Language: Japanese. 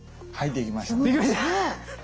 できました！